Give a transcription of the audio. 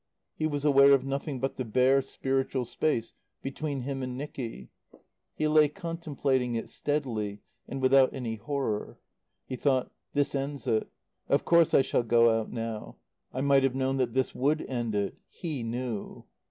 He was aware of nothing but the bare, spiritual space between him and Nicky. He lay contemplating it steadily and without any horror. He thought: "This ends it. Of course I shall go out now. I might have known that this would end it. He knew."